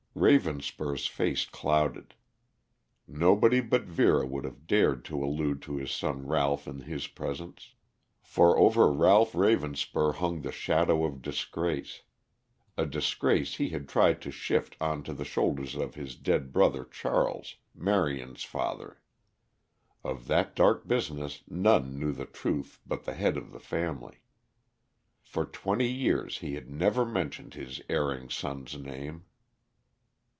Ravenspur's face clouded. Nobody but Vera would have dared to allude to his son Ralph in his presence. For over Ralph Ravenspur hung the shadow of disgrace a disgrace he had tried to shift on to the shoulders of his dead brother Charles, Marion's father. Of that dark business none knew the truth but the head of the family. For twenty years he had never mentioned his erring son's name.